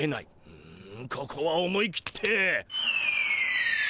ううむここは思い切って。